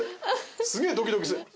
すげぇドキドキする。